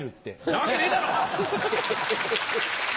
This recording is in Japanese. なわけねえだろ！